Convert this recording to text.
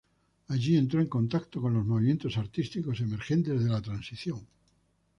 Allí entró en contacto con los movimientos artísticos emergentes de la Transición.